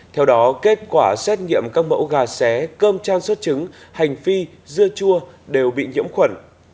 theo đó kết quả xét nghiệm các mẫu gà xé cơm trang xuất trứng hành phi dưa chua đều bị nhiễm khuẩn